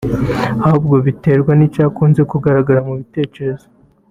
ahubwo biterwa n’icyakunze kugaruka mu bitekerezo